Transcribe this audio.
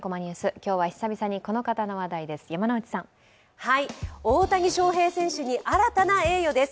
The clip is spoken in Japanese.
今日は久々にこの人の話題です。